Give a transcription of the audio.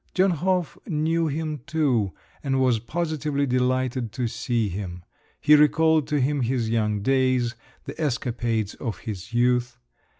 Dönhof knew him too, and was positively delighted to see him; he recalled to him his young days, the escapades of his youth.